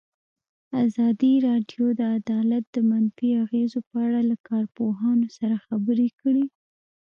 ازادي راډیو د عدالت د منفي اغېزو په اړه له کارپوهانو سره خبرې کړي.